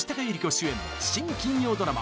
主演新金曜ドラマ